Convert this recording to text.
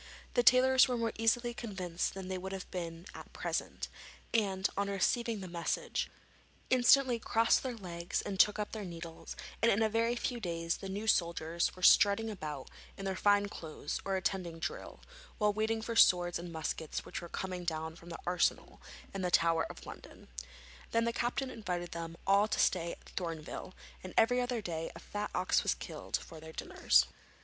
The tailors were more easily convinced than they would have been at present, and, on receiving the message, instantly crossed their legs and took up their needles, and in a very few days the new soldiers were strutting about in their fine clothes or attending drill, while waiting for the swords and muskets which were coming down from the arsenal in the Tower of London. Then the captain invited them all to stay at Thorneville, and every other day a fat ox was killed for their dinners.